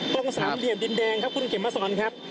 ตรงสามเหลี่ยมดินแดงครับคุณเข็มมาสอนครับ